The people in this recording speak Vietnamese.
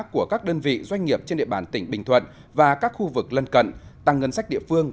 của các đơn vị doanh nghiệp trên địa bàn tỉnh bình thuận và các khu vực lân cận tăng ngân sách địa phương